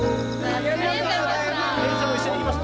ありがとうございます。